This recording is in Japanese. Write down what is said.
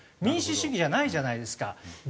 民主主義じゃないじゃないですか。